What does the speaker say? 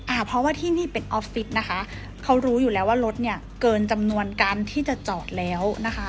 อ่าเพราะว่าที่นี่เป็นออฟฟิศนะคะเขารู้อยู่แล้วว่ารถเนี่ยเกินจำนวนการที่จะจอดแล้วนะคะ